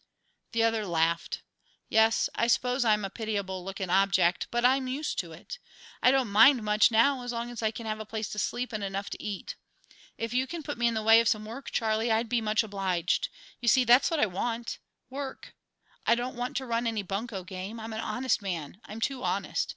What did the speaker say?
The other laughed. "Yes; I suppose I'm a pitiable looking object, but I'm used to it. I don't mind much now as long as I can have a place to sleep and enough to eat. If you can put me in the way of some work, Charlie, I'd be much obliged. You see, that's what I want work. I don't want to run any bunco game. I'm an honest man I'm too honest.